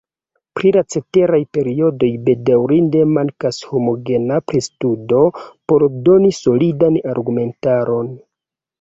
Pri la ceteraj periodoj bedaŭrinde mankas homogena pristudo por doni solidan argumentaron.